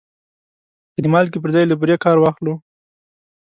که د مالګې پر ځای له بورې کار واخلو.